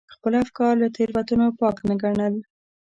خپل افکار له تېروتنو پاک نه ګڼل.